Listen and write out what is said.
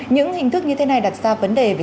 những hình thức như thế này đặt ra vấn đề về